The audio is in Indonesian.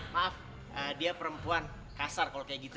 maaf dia perempuan kasar kalau kayak gitu